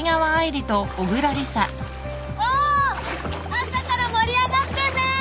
朝から盛り上がってんね！